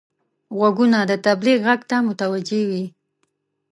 غوږونه د تبلیغ غږ ته متوجه وي